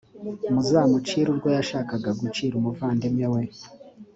muzamucire urwo yashakaga gucira umuvandimwe we.